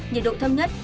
nhiệt độ thâm nhất